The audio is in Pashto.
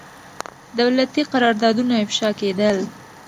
دولتي قراردادونه افشا کېدل.